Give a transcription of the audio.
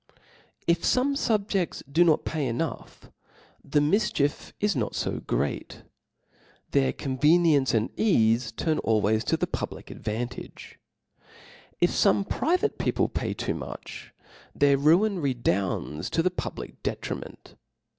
If fome fubjefts do pot pay enough, the mif chief is not fo great j their convenience and eafe turn always to the public advantage : if fome pri vate people pay too much, their ruin redounds to the public detriment.